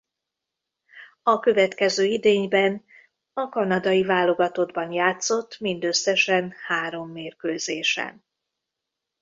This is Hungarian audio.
A következő idényben a kanadai válogatottban játszott mindösszesen három mérkőzésen.